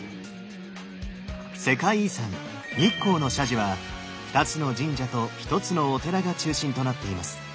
世界遺産日光の社寺は２つの神社と１つのお寺が中心となっています。